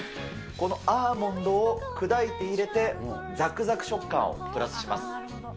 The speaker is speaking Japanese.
このアーモンドを砕いて入れて、ざくざく食感をプラスします。